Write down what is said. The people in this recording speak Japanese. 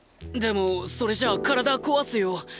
でもそれじゃあ体壊すよ。